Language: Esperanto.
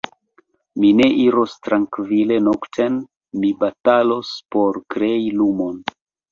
Mi ne iros trankvile nokten, mi batalos por krei lumon.